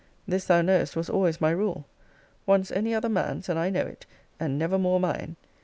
This, thou knowest, was always my rule Once any other man's, and I know it, and never more mine.